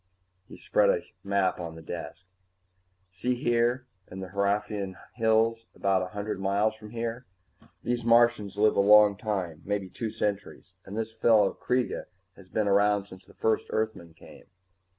He spread a map on the desk. "See, here in the Hraefnian Hills, about a hundred miles from here. These Martians live a long time, maybe two centuries, and this fellow Kreega has been around since the first Earthmen came.